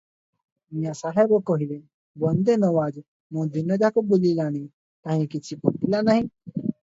ମିଆଁ ସାହେବ କହିଲେ --"ବନ୍ଦେ ନୱାଜ, ମୁଁ ଦିନଯାକ ବୁଲିଲାଣି, କାହିଁ କିଛି ପଟିଲା ନାହିଁ ।